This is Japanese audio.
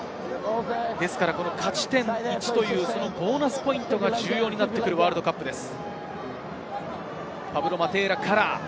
ですから勝ち点１、ボーナスポイントが重要になってくるワールドカップです。